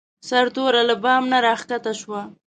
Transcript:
سرتوره له بام نه راکښته شوه.